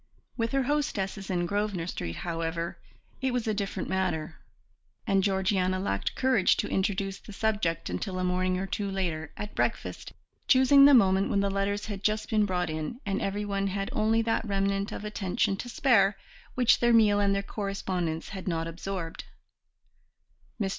With her hostesses in Grosvenor Street, however, it was a different matter, and Georgiana lacked courage to introduce the subject until a morning or two later, at breakfast, choosing the moment when the letters had just been brought in and everyone had only that remnant of attention to spare which their meal and their correspondence had not absorbed. Mr.